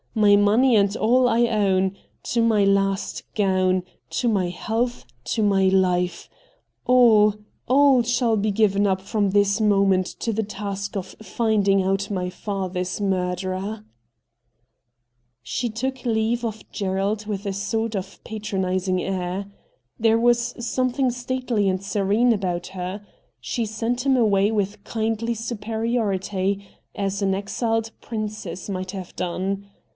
My money and all I own — to my last gown, to my health, to my life — all, all shall be given up from this moment to the task of finding out my father's murderer !' She took leave of Gerald with a sort of patronising air. There was something stately and serene about her. She sent him away with kindly superiority, as an exiled princess might have done.